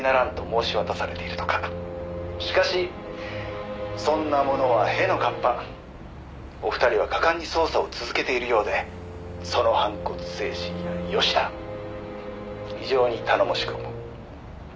「しかしそんなものは屁の河童」「お二人は果敢に捜査を続けているようでその反骨精神や良しだ」「非常に頼もしく思う」